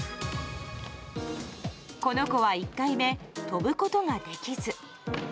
この子は１回目跳ぶことができず。